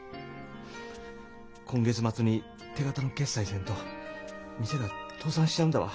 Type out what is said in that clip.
今月末に手形の決済せんと店が倒産しちゃうんだわ。